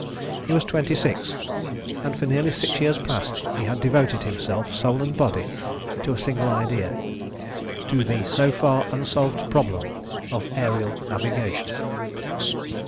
He was twenty six, and for nearly six years past he had devoted himself, soul and body, to a single idea to the so far unsolved problem of aërial navigation.